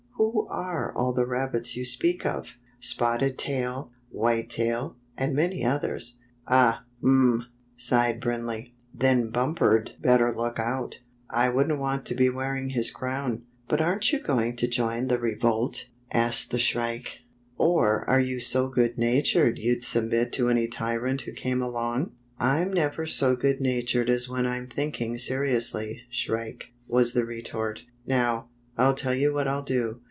Who are all the rabbits you speak of?" " Spotted Tail, White Tail, and many others." "Ah! Um!" sighed Brindley. "Then Bumper'd better look out. I wouldn't want to be wearing his crown." "But aren't you going to join the revolt?" The Work of Shrike the Butcher Bird 67 asked the Shrike. " Or are you so good natured you'd submit to any tyrant who came along?" " I'm never so good natured as when I'm think ing seriously. Shrike," was the retort, "Now, I'll tell you what I'll do.